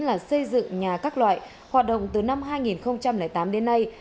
là xây dựng nhà các loại hoạt động từ năm hai nghìn tám đến nay